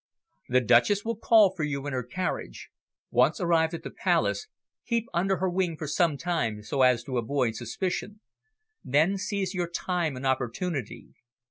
"The Duchess will call for you in her carriage. Once arrived at the Palace, keep under her wing for some time, so as to avoid suspicion. Then seize your time and opportunity.